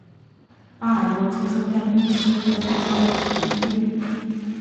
巴尔默出生在密歇根州底特律。